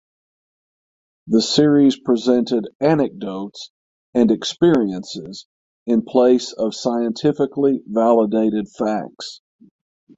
The series presented anecdotes and experiences in place of scientifically validated facts.